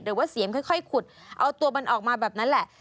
หรือว่าเสียงค่อยขุดเอาตัวมันออกมาแบบนั้นแหละ